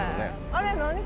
あれ何か。